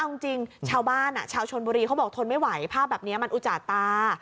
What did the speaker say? เอาจริงชาวบ้านชาวชนบุรีเขาบอกทนไม่ไหวภาพแบบนี้มันอุจจาตา